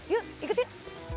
yuk ikut yuk